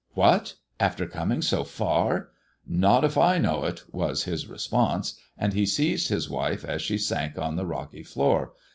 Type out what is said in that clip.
" What ! After coming so far ] Not if I know it," was his response, and he seized his wife as she sank on the rocky floor.